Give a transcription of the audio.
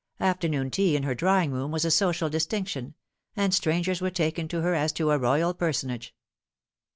Afternoon tea in her drawing room was a social distinction, and strangers were taken to her as to a Royal personage.